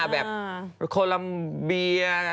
แบบเกิลัมเบีย